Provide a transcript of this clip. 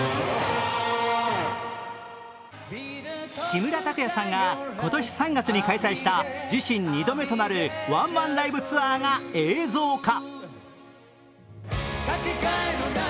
木村拓哉さんが今年３月に開催した自身２度目となるワンマンライブツアーが映像化。